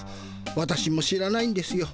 私も知らないんですよ。